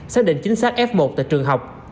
xác định chính xác f một tại trường học